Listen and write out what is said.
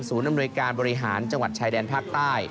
อำนวยการบริหารจังหวัดชายแดนภาคใต้